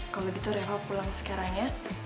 kalau gitu reko pulang sekarang ya